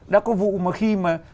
đã có vụ mà khi mà